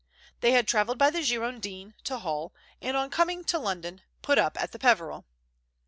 They travelled by the Girondin to Hull, and coming on to London, put up at the Peveril.